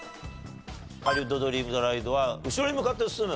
ハリウッド・ドリーム・ザ・ライドは「後ろに向かって進む」。